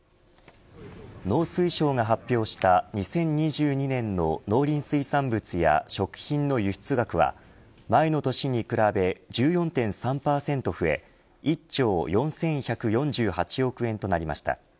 農水省が発表した２０２２年の農林水産物や食品の輸出額は前の年に比べ１４．３％増え１兆４１４８億円となりました。